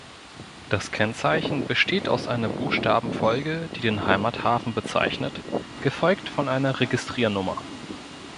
Das Kennzeichen besteht aus einer Buchstabenfolge, die den Heimathafen bezeichnet, gefolgt von einer Registriernummer.